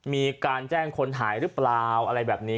มีการแจ้งคนหายหรือเปล่าอะไรแบบนี้